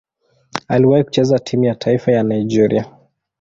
Aliwahi kucheza timu ya taifa ya Nigeria.